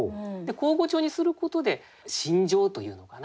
口語調にすることで心情というのかな